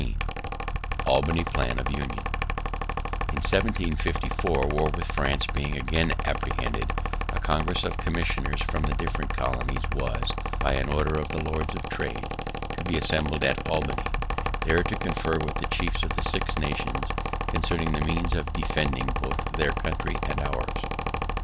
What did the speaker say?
XIV ALBANY PLAN OF UNION In 1754, war with France being again apprehended, a congress of commissioners from the different colonies was, by an order of the Lords of Trade, to be assembled at Albany, there to confer with the chiefs of the Six Nations concerning the means of defending both their country and ours.